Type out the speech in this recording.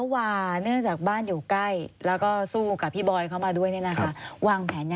ว่างแผนยังไงกับครอบครัว